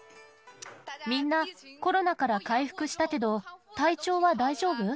みんな、コロナから回復したけど、体調は大丈夫？